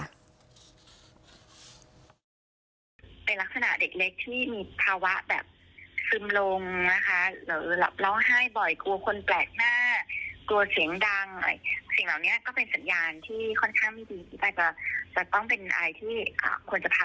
ในการที่เกิดขึ้นซึ่งอันนี้ก็ควรจะผ่าพบจิตแพทย์ได้ค่ะ